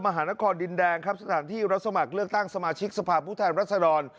หานครดินแดงครับสถานที่รับสมัครเลือกตั้งสมาชิกสภาพผู้แทนรัศดร